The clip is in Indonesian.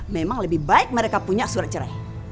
memang lebih baik mereka punya surat cerai